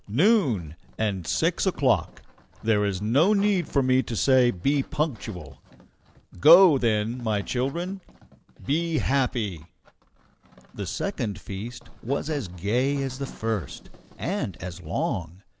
Noon, and six o'clock! There is no need for me to say be punctual! Go, then, my children be happy!" The second feast was as gay as the first, and as long.